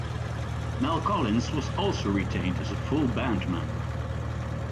Mel Collins was also retained as a full band member.